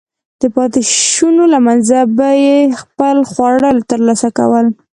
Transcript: د پاتېشونو له منځه به یې خپل خواړه ترلاسه کول.